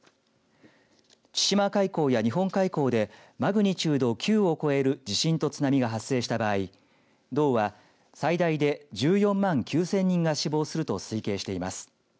千島海溝や日本海溝でマグニチュード９を超える地震と津波が発生した場合道は最大で１４万９０００人が死亡すると推計しています。